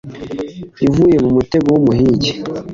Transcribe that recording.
ivuye mu mutego w’umuhigi